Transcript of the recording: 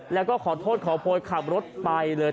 แล้วก็ขอโทษขอโพยขับรถไปเลย